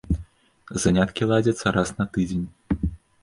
Заняткі ладзяцца раз на тыдзень.